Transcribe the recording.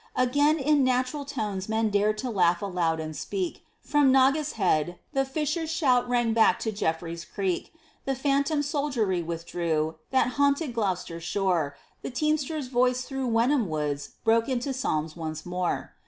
Again in natural tones men dared to laugh aloud and speak; From Naugus Head the fisher's shout rang back to Jeffrey's Creek; The phantom soldiery withdrew, that haunted Gloucester shore; The teamster's voice through Wenham Woods broke into psalms once more.